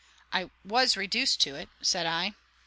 "I WAS reduced to it," said I.